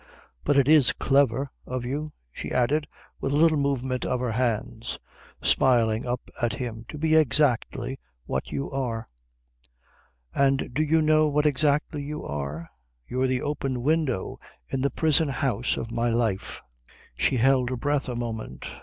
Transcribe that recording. But it's clever of you," she added with a little movement of her hands, smiling up at him, "to be so exactly what you are." "And do you know what exactly you are? You're the open window in the prison house of my life." She held her breath a moment.